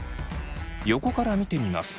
横から見てみます。